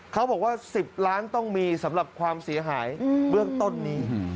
เขาบอกว่า๑๐ล้านต้องมีสำหรับความเสียหายเบื้องต้นนี้